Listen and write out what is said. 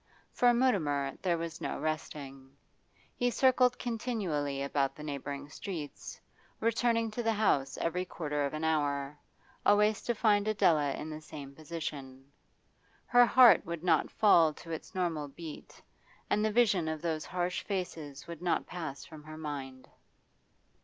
For Mutimer there was no resting; he circled continually about the neighbouring streets, returning to the house every quarter of an hour, always to find Adela in the same position. Her heart would not fall to its normal beat, and the vision of those harsh faces would not pass from her mind.